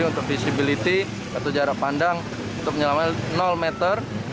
untuk visibilitas atau jarak pandang untuk penyelaman meter